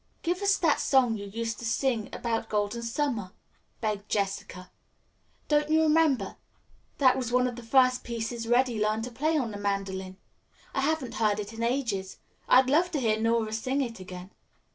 "Give us that song you used to sing about Golden Summer," begged Jessica. "Don't you remember, that was one of the first pieces Reddy learned to play on the mandolin? I haven't heard it in ages. I'd love to hear Nora sing it again."